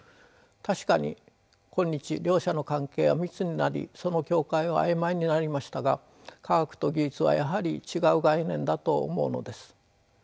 確かに今日両者の関係は密になりその境界は曖昧になりましたが科学と技術はやはり違う概念だと思うのです。